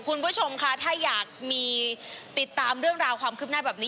คุณผู้ชมค่ะถ้าอยากมีติดตามเรื่องราวความคืบหน้าแบบนี้